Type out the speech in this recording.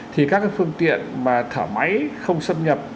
thì các phương tiện mà thở máy không xâm nhập